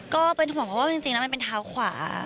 ก็เป็นห่วงเพราะว่าจริงแล้วมันเป็นเท้าขวา